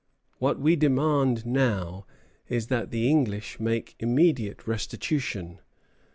What we demand now is that the English make immediate restitution."